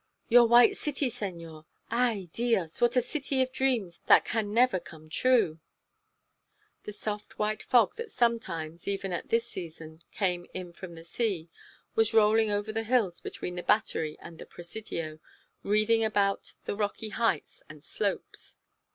"Your white city, senor! Ay, Dios! what a city of dreams that can never come true!" The soft white fog that sometimes, even at this season, came in from the sea, was rolling over the hills between the Battery and the Presidio, wreathing about the rocky heights and slopes.